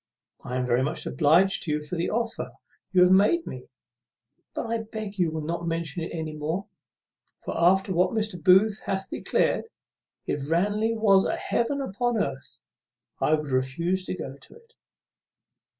I am very much obliged to you for the offer you have made me; but I beg you will not mention it any more; for, after what Mr. Booth hath declared, if Ranelagh was a heaven upon earth, I would refuse to go to it."